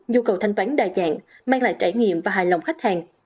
nhu cầu thanh toán đa dạng mang lại trải nghiệm và hài lòng khách hàng